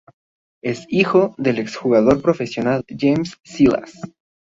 Es hijo del exjugador profesional James Silas.